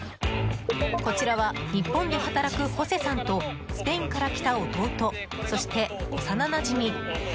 こちらは日本で働くホセさんとスペインから来た弟そして幼なじみ。